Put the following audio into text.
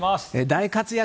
大活躍